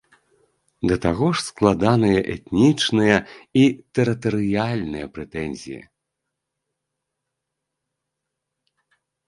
Да таго ж складаныя этнічныя і тэрытарыяльныя прэтэнзіі.